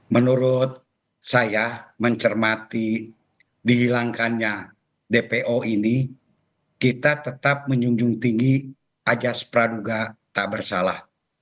menurut saya mencermati dihilangkannya dpo ini kita tetap menjunjung tinggi ajas praduga tak bersalah